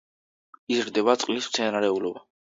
იზრდება წყლის მცენარეულობა.